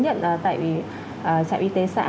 nhận tại trại y tế xã